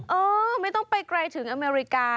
เออไม่ต้องไปไกลถึงอเมริกา